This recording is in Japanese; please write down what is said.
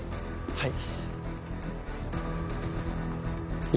はい。